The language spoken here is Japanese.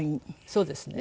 そうですね。